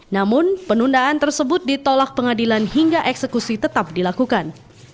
namun penundaan tersebut ditolak pengadilan hingga eksekusi tetap dilakukan